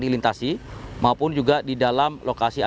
distribusi petugas gabungan juga menyiapkan pengamanan di asrama